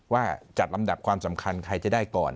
ว่าจัดลำดับความสำคัญใครจะได้ก่อน